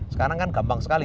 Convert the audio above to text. sekarang kan gampang sekali